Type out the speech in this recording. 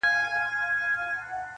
• یوه ورځ د یوه ښار پر لور روان سوه -